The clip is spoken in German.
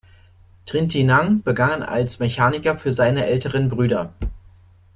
Trintignant begann als Mechaniker für seine älteren Brüder.